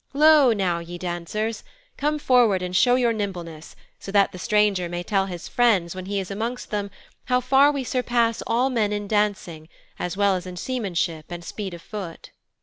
Lo, now, ye dancers! Come forward and show your nimbleness, so that the stranger may tell his friends, when he is amongst them, how far we surpass all men in dancing as well as in seamanship and speed of foot.'